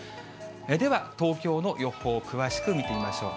では東京の予報、詳しく見てみましょう。